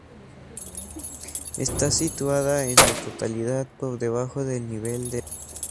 Está situada en su totalidad por debajo del nivel del mar.